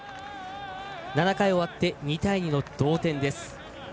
７回が終わって２対２の同点です。